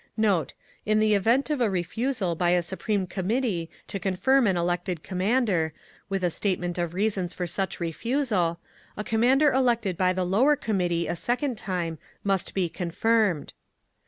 Note. In the event of a refusal by a Supreme Committee to confirm an elected commander, with a statement of reasons for such refusal, a commander elected by the lower Committee a second time must be confirmed.